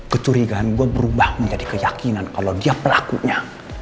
kecurigaan gue berubah menjadi keyakinan kalau dia pelakunya